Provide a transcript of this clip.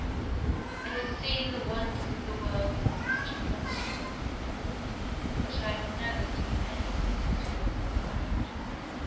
I have seen the wonders of the world on picture postcards, but I have never seen anything to equal that.